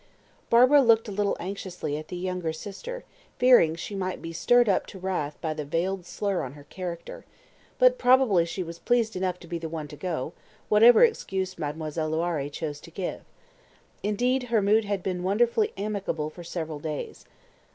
Barbara looked a little anxiously at the younger sister, fearing she might be stirred up to wrath by the veiled slur on her character; but probably she was pleased enough to be the one to go, whatever excuse Mademoiselle Loiré chose to give. Indeed, her mood had been wonderfully amicable for several days.